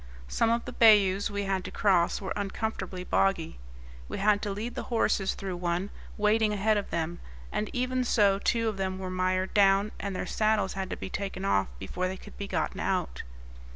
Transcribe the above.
Some of the bayous we had to cross were uncomfortably boggy. We had to lead the horses through one, wading ahead of them; and even so two of them mired down, and their saddles had to be taken off before they could be gotten out.